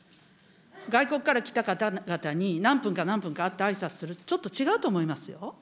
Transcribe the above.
外国から来た方々に何分か、何分か会ってあいさつする、ちょっと違うと思いますよ。